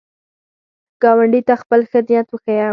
ګاونډي ته خپل ښه نیت وښیه